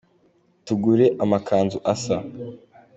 Tugure amakanzu asa.